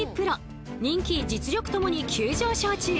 人気・実力ともに急上昇中！